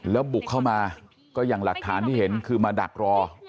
แล้วบุกเข้ามาก็อย่างหลักฐานที่เห็นคือมาดักรอ